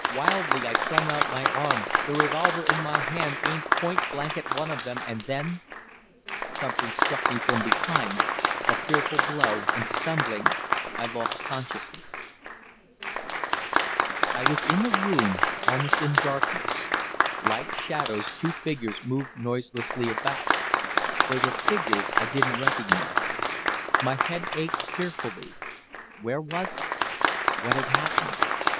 Wildly I flung out my arm, the revolver in my hand aimed point blank at one of them, and then Something struck me from behind, a fearful blow, and, stumbling, I lost consciousness. I was in a room, almost in darkness. Like shadows two figures moved noiselessly about. They were figures I didn't recognize. My head ached fearfully. Where was I? What had happened?